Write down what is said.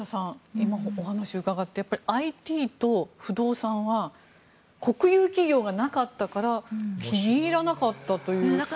今、お話を伺ってＩＴと不動産は国有企業がなかったから気に入らなかったというそういう背景が。